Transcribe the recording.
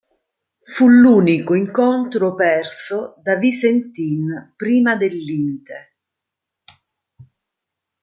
Fu l'unico incontro perso da Visentin prima del limite.